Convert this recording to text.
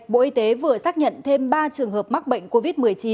bộ y tế vừa xác nhận thêm ba trường hợp mắc bệnh covid một mươi chín